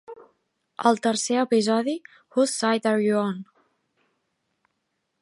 El tercer episodi, "Whose Side Are You On?"